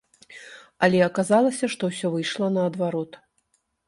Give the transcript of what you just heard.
Але аказалася, што ўсё выйшла наадварот.